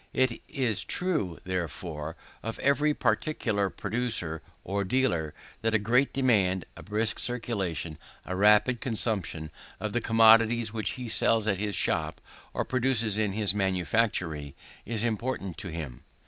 It is true, therefore, of every particular producer or dealer, that a great demand, a brisk circulation, a rapid consumption, of the commodities which he sells at his shop or produces in his manufactory, is important to him.